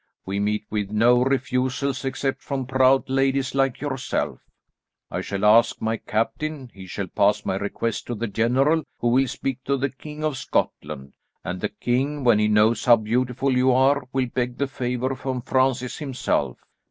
We meet with no refusals except from proud ladies like yourself. I shall ask my captain, he shall pass my request to the general, who will speak to the King of Scotland, and the king, when he knows how beautiful you are, will beg the favour from Francis himself."